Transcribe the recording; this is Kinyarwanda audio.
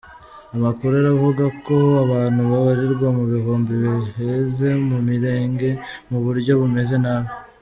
Amakurur aravuga ko abantu babarirwa mu bihumbi baheze mu mirenge mu buryo bumeze nabi.